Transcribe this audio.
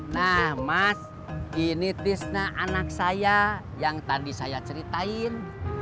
nah mas ini tisna anak saya yang tadi saya ceritain